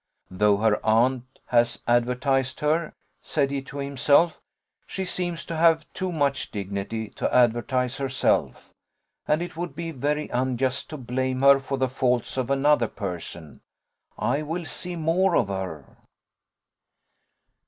"Though her aunt has advertised her," said he to himself, "she seems to have too much dignity to advertise herself, and it would be very unjust to blame her for the faults of another person. I will see more of her."